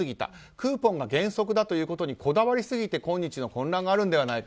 クーポンが原則だということにこだわりすぎて今日の混乱があるのではないか。